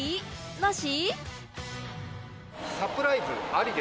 なし？